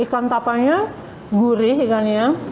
ikan tapanya gurih ikannya